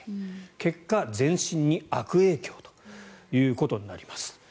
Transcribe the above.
結果、全身に悪影響ということになります。